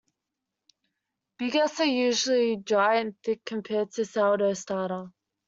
Bigas are usually dry and thick compared to a sourdough starter.